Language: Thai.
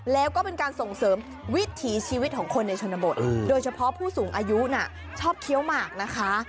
แล้วก็เป็นการส่งเสริมวิถีชีวิตของคนในชนบทโดยเฉพาะผู้สูงอายุน่ะชอบเคี้ยวหมากนะคะ